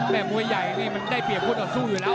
แบบมวยใหญ่มันได้เปรียบคุณออกสู้อยู่แล้ว